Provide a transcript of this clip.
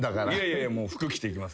いや服着ていきます